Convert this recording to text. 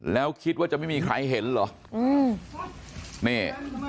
แล้วคิดว่าจะไม่มีใครเห็นเหรออืมนี่